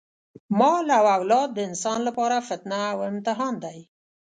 مال او اولاد د انسان لپاره فتنه او امتحان دی.